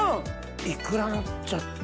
イクラのっちゃった。